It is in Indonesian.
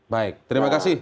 baik terima kasih